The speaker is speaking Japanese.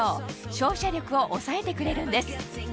照射力を抑えてくれるんです